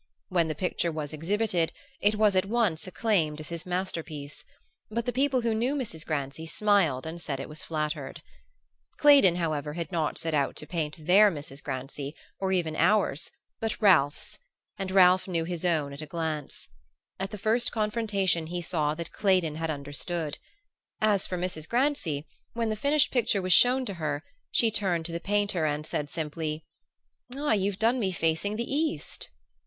When the picture was exhibited it was at once acclaimed as his masterpiece; but the people who knew Mrs. Grancy smiled and said it was flattered. Claydon, however, had not set out to paint their Mrs. Grancy or ours even but Ralph's; and Ralph knew his own at a glance. At the first confrontation he saw that Claydon had understood. As for Mrs. Grancy, when the finished picture was shown to her she turned to the painter and said simply: "Ah, you've done me facing the east!"